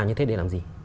anh làm thế để làm gì